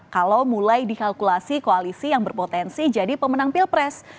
kalau mulai dikalkulasi koalisi yang berpotensi jadi pemenang pilpres